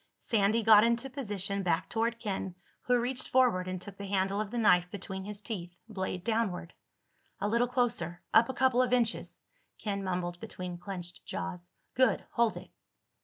Sandy got into position, back toward Ken, who reached forward and took the handle of the knife between his teeth, blade downward. "A little closer. Up a couple of inches," Ken mumbled between clenched jaws. "Good. Hold it."